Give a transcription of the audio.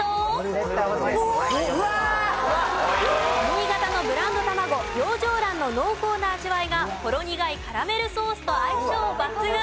新潟のブランド卵養生卵の濃厚な味わいがほろ苦いカラメルソースと相性抜群！